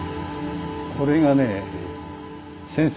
これがね